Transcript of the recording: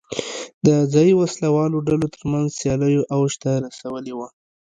د ځايي وسله والو ډلو ترمنځ سیالیو اوج ته رسولې وه.